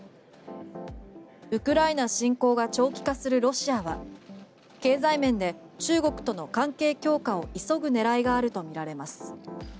ウクライナ侵攻が長期化するロシアは経済面で中国との関係強化を急ぐ狙いがあるとみられます。